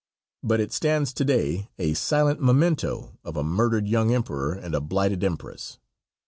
But it stands to day a silent memento of a murdered young emperor and a blighted empress.